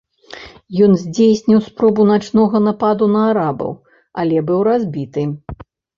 Ён здзейсніў спробу начнога нападу на арабаў, але быў разбіты.